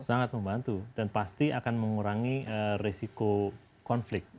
sangat membantu dan pasti akan mengurangi resiko konflik